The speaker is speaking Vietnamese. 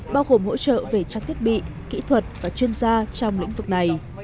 bao gồm hỗ trợ về trang thiết bị kỹ thuật và chuyên gia trong lĩnh vực này